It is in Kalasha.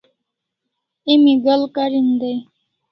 Emi ga'al karin dai?